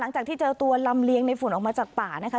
หลังจากที่เจอตัวลำเลียงในฝุ่นออกมาจากป่านะคะ